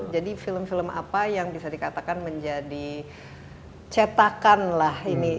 film film apa yang bisa dikatakan menjadi cetakan lah ini